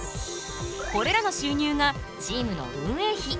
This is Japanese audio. これらの収入がチームの運営費。